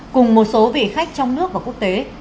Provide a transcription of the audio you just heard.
cùng một số vị khách trong nước và quốc tế